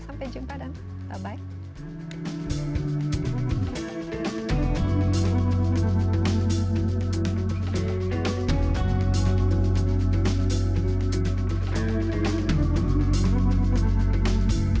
sampai jumpa dan bye bye